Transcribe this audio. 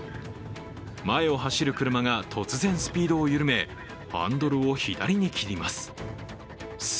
前を走る車が突然スピードを緩め、ハンドルを左に切ります。